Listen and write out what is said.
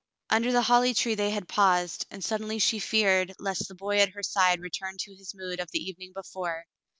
Under the holly tree they had paused, and suddenly she feared lest the boy at her side return to his mood of the evening before.